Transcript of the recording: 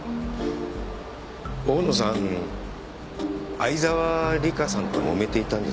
大野さん相沢里香さんともめていたんですか？